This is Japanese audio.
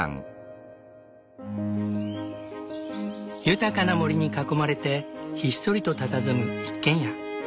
豊かな森に囲まれてひっそりとたたずむ一軒家。